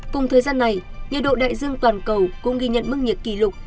cùng thời gian này nhiệt độ đại dương toàn cầu cũng ghi nhận mức nhiệt kỷ lục